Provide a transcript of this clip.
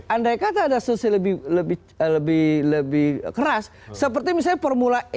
andaikata ada sosialisasi lebih keras seperti misalnya formula e